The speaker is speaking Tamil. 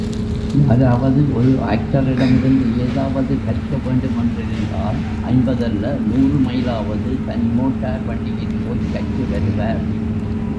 யாராவது ஒரு ஆக்டரிடமிருந்து ஏதாவது கற்கவேண்டுமென்றிருந்தால் ஐம்பதல்ல, நூறு மைலாவது, தன் மோட்டார் வண்டியிற் போய்க் கற்று வருவார்.